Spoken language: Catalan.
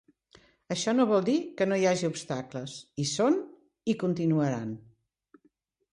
Això no vol dir que no hi hagi obstacles; hi són i continuaran.